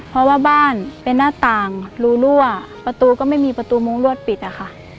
เพราะว่าบ้านเป็นหน้าต่างรูรั่วประตูก็ไม่มีประตูมุ้งรวดปิดอะค่ะ